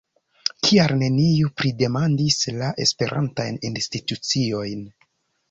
Kial neniu pridemandis la esperantajn instituciojn?